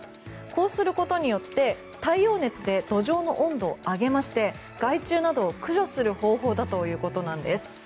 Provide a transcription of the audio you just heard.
こうすることによって太陽熱で土壌の温度を上げまして、害虫などを駆除する方法だということです。